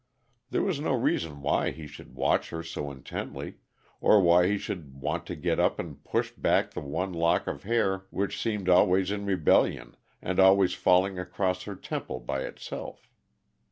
There was no reason why he should watch her so intently, or why he should want to get up and push back the one lock of hair which seemed always in rebellion and always falling across her temple by itself.